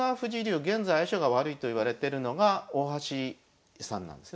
現在相性が悪いといわれてるのが大橋さんなんですね。